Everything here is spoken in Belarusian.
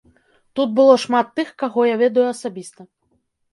Тут было шмат тых, каго я ведаю асабіста.